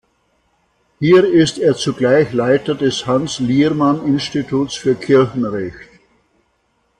Hier ist er zugleich Leiter des Hans-Liermann-Instituts für Kirchenrecht.